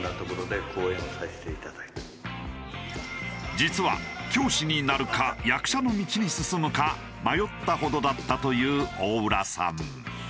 実は教師になるか役者の道に進むか迷ったほどだったという大浦さん。